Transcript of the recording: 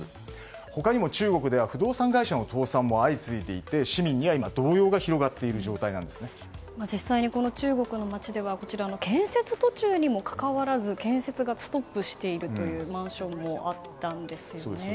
他にも中国では不動産会社の倒産が相次いでいて、市民には今実際に中国では建設途中にもかかわらず建設がストップしているマンションもあったんですよね。